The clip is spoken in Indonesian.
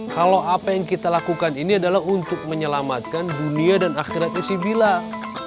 kalau apa yang kita lakukan ini adalah untuk menyelamatkan dunia dan akhiratnya si pilal